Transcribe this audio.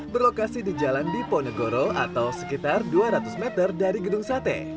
berlokasi di jalan diponegoro atau sekitar dua ratus meter dari gedung sate